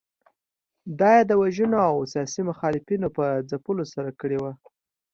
دا یې د وژنو او سیاسي مخالفینو په ځپلو سره کړې وه.